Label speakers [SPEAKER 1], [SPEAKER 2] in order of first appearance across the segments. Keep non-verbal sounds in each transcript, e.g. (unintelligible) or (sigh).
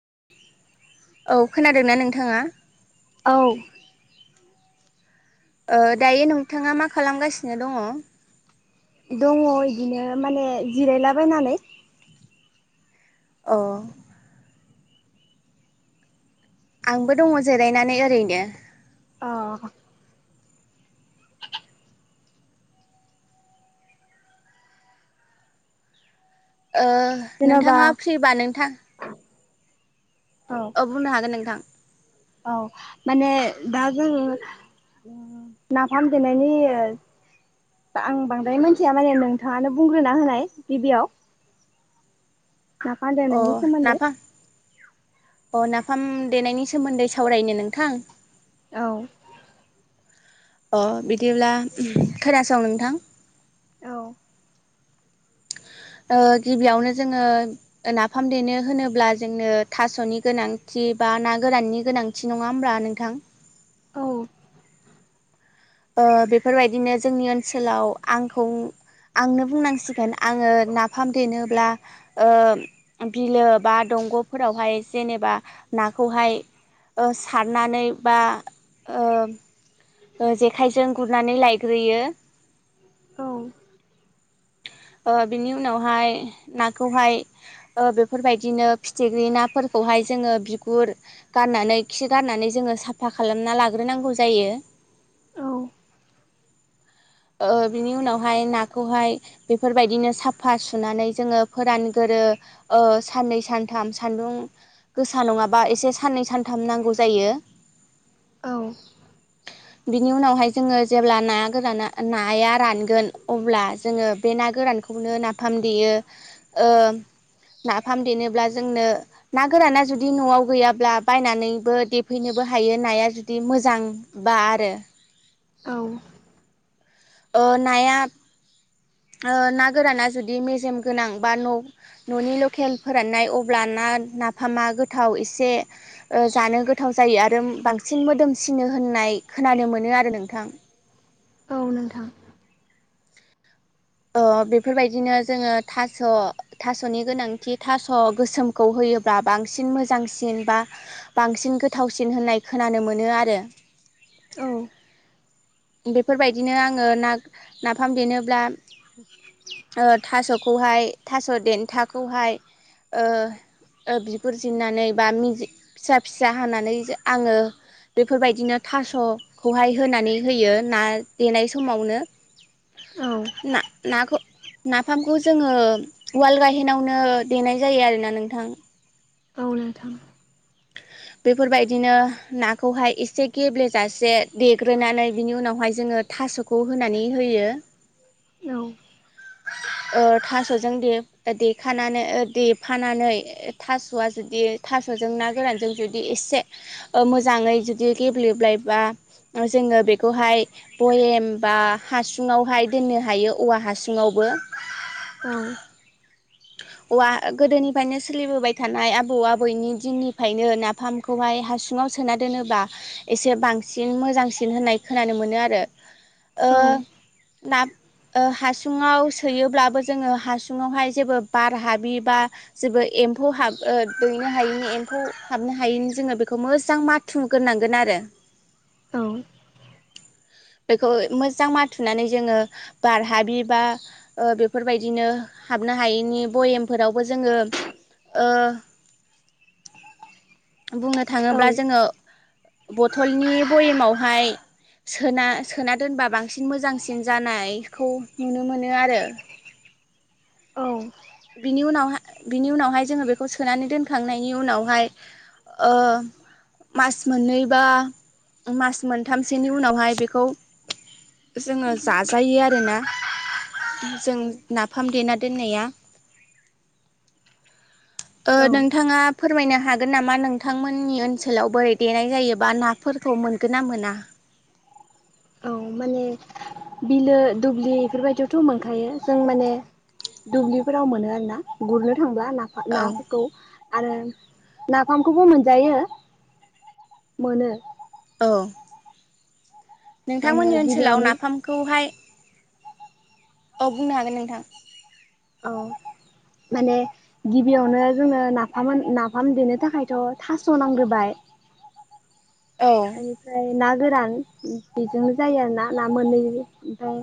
[SPEAKER 1] (inaudible)
[SPEAKER 2] औ खोनादोंना नोंथाङा?
[SPEAKER 1] औ।
[SPEAKER 2] ओ दायो नोंथाङा मा खालामगासिनो दङ?
[SPEAKER 1] दङ इदिनो माने जिरायलाबायनानै
[SPEAKER 2] अ आंबो दङ जिरायनानै ओरैनो
[SPEAKER 1] अ
[SPEAKER 2] ओ
[SPEAKER 1] जेन'बा
[SPEAKER 2] नोंथाङा फ्रिबा नोंथां औ बुंनो हागोन नोंथां
[SPEAKER 1] औ माने दा जोङो उ नाफाम देनायनि आं बांद्राय मिथिया माने नोंथाङानो बुंग्रोना होनाय गिबियाव नाफाम
[SPEAKER 2] अ
[SPEAKER 1] देनायनि सोमोन्दै
[SPEAKER 2] नाफाम अ नाफाम देनायनि सोमोन्दै सावरायनो नोंथां।
[SPEAKER 1] औ
[SPEAKER 2] अ बिदिब्ला खोनासं नोंथां
[SPEAKER 1] औ
[SPEAKER 2] ओ गिबियावनो जोङो नाफाम देनो होनोब्ला जोंनो थास'नि गोनांथि बा ना गोराननि गोनांथि नङा होमब्ला नोंथां
[SPEAKER 1] औ
[SPEAKER 2] ओ बेफोरबायदिनो जोंनि ओनसोलाव आंखौ आंनो बुंनांसिगोन आङो नाफाम देनो ओ बिलो बा दंग'फोरावहाय जेनेबा नाखौहाय ओ सारनानै बा ओ ओ जेखायजों गुरनानै लायग्रोयो
[SPEAKER 1] औ
[SPEAKER 2] ओ बिनि उनावहाय नाखौहाय ओ बेफोरबायदिनो फिथिख्रि नाफोरखौहाय जोङो बिगुर गारनानै खि गारनानै जोङो साफा खालामना लाग्रोनांगौ जायो।
[SPEAKER 1] औ
[SPEAKER 2] ओ बिनि उनावहाय नाखौहाय बेफोरबायदिनो साफा सुनानै जोङो फोरानगोरो ओ साननै सानथाम सान्दुं गोसा नङाबा एसे साननै सानथाम नांगौ जायो।
[SPEAKER 1] औ
[SPEAKER 2] बिनि उनावहाय जोङो जेब्ला ना गोराना नाया रानगोन अब्ला जोङो बे ना गोरानखौनो नाफाम देयो ओ नाफाम देनोब्ला जोंनो ना गोराना जुदि न'आव गैयाब्ला बायनानैबो देफैनोबो हायो नाया जुदि मोजांबा आरो
[SPEAKER 1] औ
[SPEAKER 2] ओ नाया ओ ना गोराना जुदि मेजेम गोनां बा न' न'नि लकेल फोराननाय अब्ला ना नाफामा गोथाव एसे ओ जानो गोथाव जायो आरो बांसिन मोदोमसिनो होननाय खोनानो मोनो आरो नोंथां।
[SPEAKER 1] औ नोंथां
[SPEAKER 2] ओ बेफोरबायदिनो जोङो थास' थास'नि गोनांथि थास' गोसोमखौ होयोब्ला बांसिन मोजांसिन बा बांसिन गोथावसिन होननाय खोनानो मोनो आरो
[SPEAKER 1] औ
[SPEAKER 2] बेफोरबायदिनो आङो ना नाफाम देनोब्ला ओ थास'खौहाय थास' देन्थाखौहाय ओ ओ बिगुरजिनानै बा मिजि फिसा फिसा हानानै आङो बेफोरबायदिनो थास'खौहाय होनानै होयो ना देनाय समावनो
[SPEAKER 1] औ
[SPEAKER 2] ना नाखौ नाफामखौ जोङो उवाल गाहेनावनो देनाय जायो आरोना नोंथां
[SPEAKER 1] औ नोंथां
[SPEAKER 2] बेफोरबायदिनो नाखौहाय एसे गेब्लेजासे देग्रोनानै बिनि उनावहाय जोङो थास'खौ होनानै होयो।
[SPEAKER 1] औ
[SPEAKER 2] ओ थास'जों दे देखानानै ओ देफानानै थास'आ जुदि थास'जों ना गोरानजों जुदि एसे मोजाङै जुदि गेब्लेब्लायबा जोङो बेखौहाय भयेम बा हासुङावहाय दोननो हायो औवा हासु ङावबो
[SPEAKER 1] औ
[SPEAKER 2] औवा गोदोनिफ्रायनो सोलिबोबाय थानाय आबौ आबैनि दिननिफ्रायनो नाफामखौहाय हासुङाव सोना दोनोबा एसे बांसिन मोजांसिन होननाय खोनानो मोनो आरो ओ
[SPEAKER 1] औ
[SPEAKER 2] ना ओ हासुङाव सोयोब्लाबो जोङो हासुङावहाय जेबो बार हाबि बा जेबो एम्फौ हाब दैनो हायिनि एम्फौ हाबनो हायैनि जोङो बेखौ मोजां माथुगोरनांगोन आरो
[SPEAKER 1] औ
[SPEAKER 2] बेखौ मोजां माथुनानै जोङो बारहाबि बा ओ बेफोरबायदिनो हाबनो हायैनि भयेमफोरावबो जोङो ओ बुंनो
[SPEAKER 1] औ
[SPEAKER 2] थाङोब्ला जोङो बथलनि भयमावहाय सोना सोना दोनबा बांसिन मोजांसिन जानायखौ नुनो मोनो आरो बिनि उनाव बिनि उनावहाय जोङो बेखौ सोनानै दोनखांनायनि उनावहाय मास मोननै बा मास मोनथामसोनि उनावहाय बेखौ जोङो जाजायो आरोना
[SPEAKER 1] औ
[SPEAKER 2] जों नाफाम देना दोननाया ओ
[SPEAKER 1] औ
[SPEAKER 2] नोंथाङा फोरमायनो हागोन नामा नोंथांमोननि ओनसोलाव बोरै देनाय जायोबा नाफोरखौ मोनगोन ना मोना
[SPEAKER 1] औ माने बिलो दुब्लि बेफोरबायदियावथ' मोनखायो जों माने दुब्लिफोराव मोनो आरोना गुरनो थांब्ला (unintelligible)
[SPEAKER 2] औ
[SPEAKER 1] नाफोरखौ आरो नाफामखौबो मोनजायो मोनो
[SPEAKER 2] औ
[SPEAKER 1] माने
[SPEAKER 2] नोंथांमोननि ओनसोलाव
[SPEAKER 1] गिबियावनो
[SPEAKER 2] नाफामखौहाय औ बुंनो हागोन नोंथां
[SPEAKER 1] औ माने गिबियावनो जोनो नाफाम नाफाम देनो थाखायथ' थास' नांग्रोबाय
[SPEAKER 2] औ
[SPEAKER 1] ओमफ्राय ना गोरान बेजोंनो जायो आरोना ना मोनै ओमफ्राय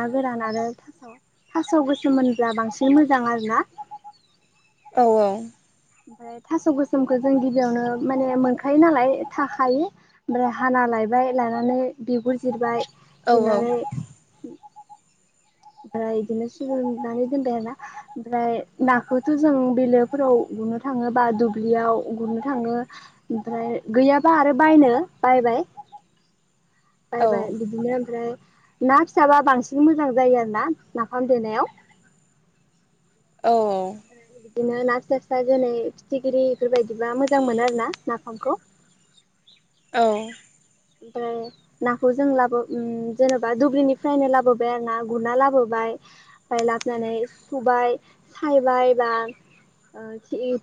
[SPEAKER 1] ना गोरान आरो थास' थास' गोसोम मोनब्ला बांसिन मोजां आरोना
[SPEAKER 2] औ औ
[SPEAKER 1] ओमफ्राय थास' गोसोमखौ जों गिबियावनो माने मोनखायो नालाय थाखायो ओमफ्राय हाना लायबाय लानानै बिगुर जिरबाय
[SPEAKER 2] औ
[SPEAKER 1] जिरनानै ओमफ्राय बिदिनो सजुबनानै दोनबाय आरोना ओमफ्राय नाखौथ' जों बिलोफोराव गुरनो थाङोबा दुब्लियाव गुरनो थाङो ओमफ्राय गैयाबा आरो बायनो बायबाय
[SPEAKER 2] औ
[SPEAKER 1] बायबाय बिदिनो ओमफ्राय ना फिसाबा बांसिन मोजां जायो आरो ना नाफाम देनायाव
[SPEAKER 2] औ औ
[SPEAKER 1] बिदिनो ना फिसा फिसा जेरै फिथिख्रि बेफोरबायदिबा मोजां मोनो आरोना नाफामखौ
[SPEAKER 2] औ
[SPEAKER 1] ओमफ्राय नाखौ जों लाबो जेनेबा दुब्लिनिफ्रायनो लाबोबाय आरो ना गुरना लाबोबाय ओमफ्राय लाबोनानै सुबाय सायबाय बा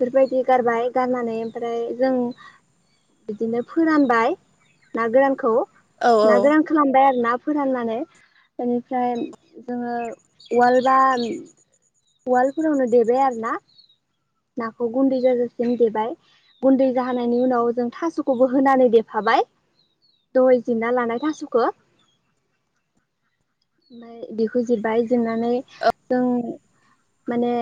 [SPEAKER 1] फोरबायदि गारबाय गारनानै ओमफ्राय जों बिदिनो फोरानबाय ना गोरानखौ ना गोरान खालामनो आरो ना फोराननानै बेनिफ्राय जोङो उवाल बा उवालफोरावनो देबाय आरो ना नाखौ गुन्दै जाजासिम देबाय गुन्दै जाहोनानायनि उनाव जों थास'खौबो होनानै देफाबाय दहाय जिरना लानाय थास'खौ ओमफ्राय बेखौ जिरबाय देनानै जों माने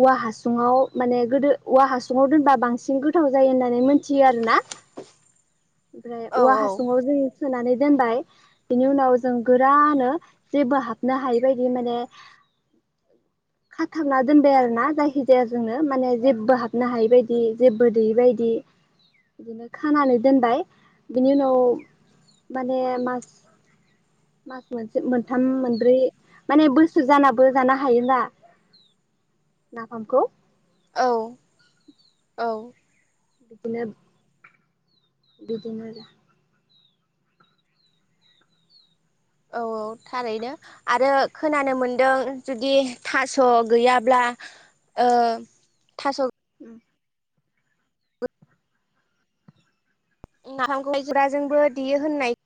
[SPEAKER 1] औवा हासुङाव माने गोदो औवा हासुङाव दोनबा बांसिन गोथाव जायो होननानै मोनथियो आरोना ओमफ्राय
[SPEAKER 2] औ
[SPEAKER 1] औवा हासुङाव ज सोनानै दोनबाय बिनि उनाव जों गोरानो जेबो हाबनो हायै बायदि माने खाथाबना दोनबाय आरोना जायखि जाया जोंनो माने जेबो हाबनो हायि बायदि जेबो गैयिबायदि बिदिनो खानानै दोनबाय बिनि उनाव माने म मास मोनसे मोनथाम मोनब्रै माने बोसोर जानाबो जानो हायोना नाफामखौ
[SPEAKER 2] औ औ
[SPEAKER 1] बिदिनो बिदिनो
[SPEAKER 2] औ औ थारैनो आरो खोनानो मोनदों जुदि थास' गैयाब्ला ओ थास'
[SPEAKER 1] (inaudible)
[SPEAKER 2] नाफामखौहाय खुमब्रा जोंबो देयो होननाय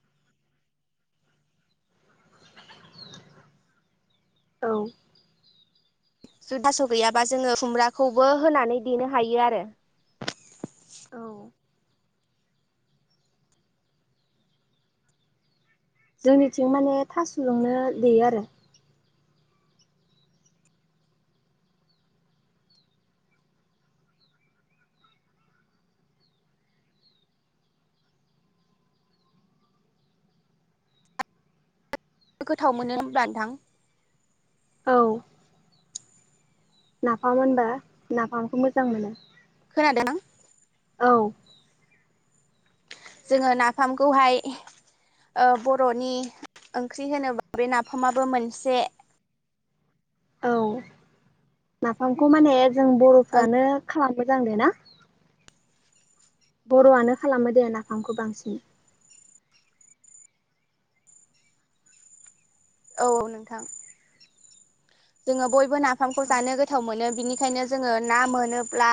[SPEAKER 1] औ।
[SPEAKER 2] ज थास' गैयाबा जोङो खुमब्राखौबो होनानै देनो हायो आरो।
[SPEAKER 1] औ। जोंनिथिं माने थासजोंनो देयो आरो।
[SPEAKER 2] गोथाव मोनो होनब्ला नोंथां?
[SPEAKER 1] औ। नाफाम होनबा नाफामखौ मोजां मोनो।
[SPEAKER 2] खोनादों ना?
[SPEAKER 1] औ।
[SPEAKER 2] जोङो नाफामखौहाय ओ बर'नि ओंख्रि होनोबा बे नाफामाबो मोनसे।
[SPEAKER 1] औ नाफामखौ माने जों
[SPEAKER 2] ओं
[SPEAKER 1] बर'फ्रानो खालाम मोजां देना बर'आनो खालामो देना नाफामखौ बांसिन।
[SPEAKER 2] औ नोंथां जोङो बयबो नाफामखौ
[SPEAKER 1] औ
[SPEAKER 2] जानो गोथाव मोनो बिनिखायनो जोङो ना मोनोब्ला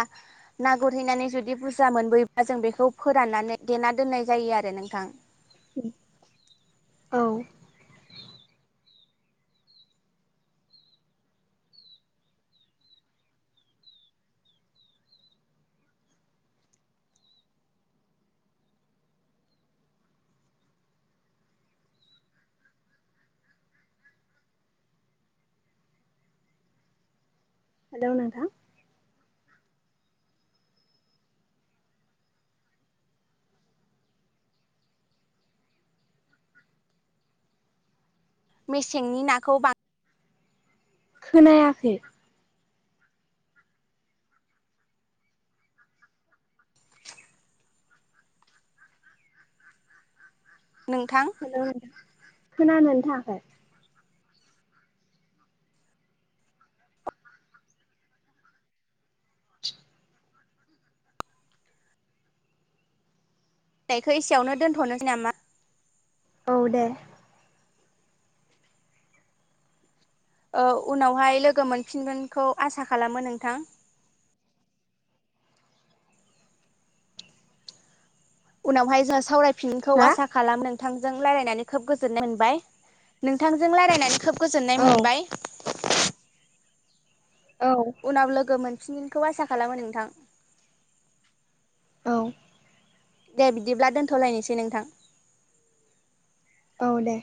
[SPEAKER 2] ना गुरहैनानै जुदि बुरजा मोनबोयोब्ला जों बेखौ फोराननानै देना दोननाय जायो आरो नोंथां।
[SPEAKER 1] औ। हेलौ नोंथां।
[SPEAKER 2] मेसेंनि नाखौ बां
[SPEAKER 1] खोनायाखै?
[SPEAKER 2] नोंथां
[SPEAKER 1] (unintelligible) खोनानो थाङाखै?
[SPEAKER 2] नायखौ एसेयावनो दोन्थ'नो नामा?
[SPEAKER 1] औ दे।
[SPEAKER 2] औ उनावहाय लोगो मोनफिनगोनखौ आसा खालामो नोंथां। उनावहाय जोंहा सावराय फिनखौ
[SPEAKER 1] हा
[SPEAKER 2] आसा खालामदों। नोंथांजों लायरायनानै खोब गोजोननाय मोनबाय नोंथांजों लायरायनानै खोब गोजोननाय
[SPEAKER 1] औ
[SPEAKER 2] मोनबाय।
[SPEAKER 1] औ
[SPEAKER 2] उनाव लोगो मोन फिनगोनखौ आसा खालामो नोंथां
[SPEAKER 1] औ।
[SPEAKER 2] दे बिदिब्ला दोनथ'लायनोसै नोंथां।
[SPEAKER 1] औ दे।